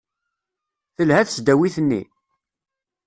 Telha tesdawit-nni?